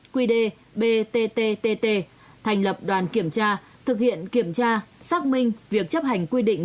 quy định btttt thành lập đoàn kiểm tra thực hiện kiểm tra xác minh việc chấp hành quy định